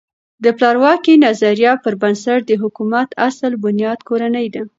د پلار واکۍ نظریه پر بنسټ د حکومت اصل بنیاد کورنۍ ده.